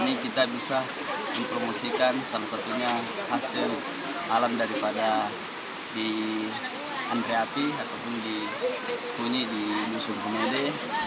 ini kita bisa mempromosikan salah satunya hasil alam daripada di andreati ataupun di bunyi di musuh komede